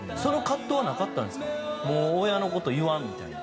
もう親の事言わんみたいな。